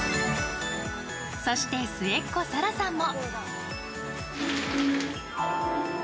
そして末っ子・紗来さんも。